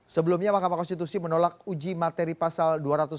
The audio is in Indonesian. sebelumnya mahkamah konstitusi menolak uji materi pasal dua ratus dua puluh